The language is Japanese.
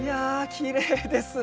きれいですね。